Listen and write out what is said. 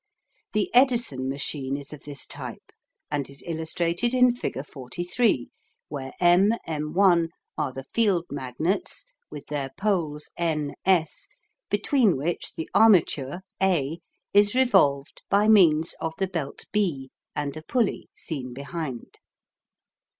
The Edison machine is of this type, and is illustrated in figure 43, where M M' are the field magnets with their poles N S, between which the armature A is revolved by means of the belt B, and a pulley seen behind.